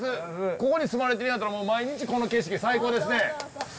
ここに住まれてるんやったらもう毎日この景色最高ですね。